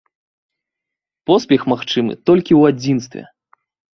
Поспех магчымы толькі ў адзінстве.